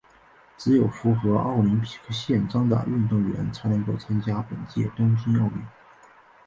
只有符合奥林匹克宪章的运动员才能够参加本届东京奥运。